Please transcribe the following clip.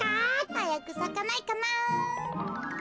はやくさかないかな。